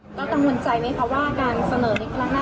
เพราะว่าคุณส่วนของสวเอง